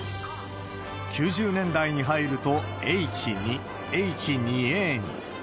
９０年代に入るとＨ２、Ｈ２Ａに。